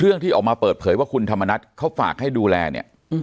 ที่ออกมาเปิดเผยว่าคุณธรรมนัฐเขาฝากให้ดูแลเนี่ย